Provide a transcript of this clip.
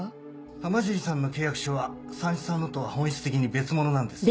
浜尻さんの契約書はさんしさんのとは本質的に別物なんです。